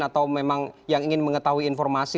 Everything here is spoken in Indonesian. atau memang yang ingin mengetahui informasi